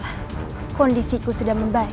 syukurlah kondisi ku sudah membaik